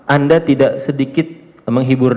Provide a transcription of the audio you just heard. anda tidak sedikit menghibur